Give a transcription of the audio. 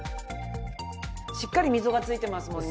しっかり溝がついてますもんね。